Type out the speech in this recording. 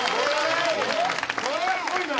これはすごいな。